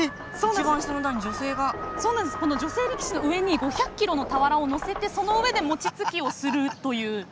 女性力士の上に俵をのせてその上で餅つきをするという。